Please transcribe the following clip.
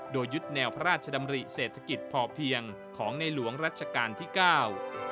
โดยยึดแนวพระราชดำริเศรษฐกิจพอเพียงของในหลวงรัชกาลที่เก้า